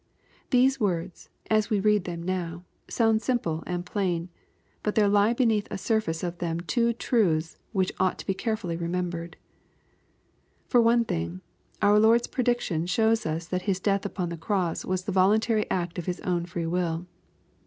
'' These words^ as we read them now^ sound simple and plain ; but there lie beneath the surface of them two truths which ought to be carefully remembered. For one thing, our Lord's prediction shows us that His death upon the'cross was the voluntary act of His own free will.